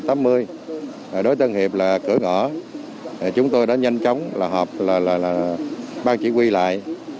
đối tân hiệp là cửa ngõ chúng tôi đã nhanh chóng là họp là ban chỉ huy lại